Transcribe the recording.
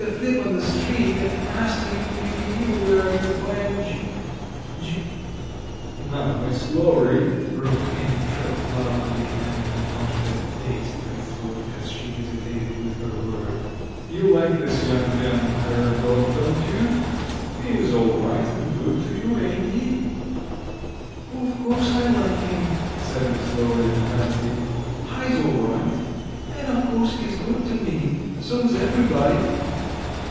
Flip on the street and asked him if he knew where I could find G G " "Now, Miss Lowery," broke in Tripp, loudly, and with much bad taste, I thought, as she hesitated with her word, "you like this young man, Hiram Dodd, don't you? He's all right, and good to you, ain't he?" "Of course I like him," said Miss Lowery emphatically. "Hi's all right. And of course he's good to me. So is everybody."